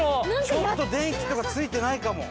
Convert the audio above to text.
ちょっと電気とかついてないかも。